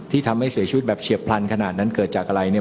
ทำให้เสียชีวิตแบบเฉียบพลันขนาดนั้นเกิดจากอะไรเนี่ย